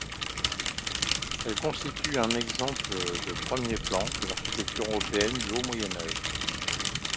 Elle constitue un exemple de premier plan de l'architecture européenne du haut Moyen Âge.